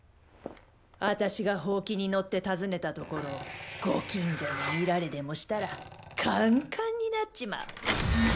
あたしがホウキに乗って訪ねたところをご近所に見られでもしたらカンカンになっちまう。